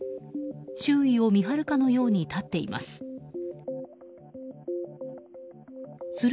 周囲を見張るかのように立っています。